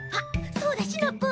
そうだシナプー！